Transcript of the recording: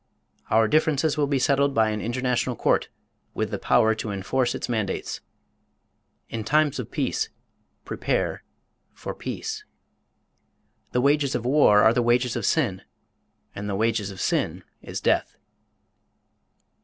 Our differences will be settled by an international court with the power to enforce its mandates. In times of peace prepare for peace. The wages of war are the wages of sin, and the "wages of sin is death."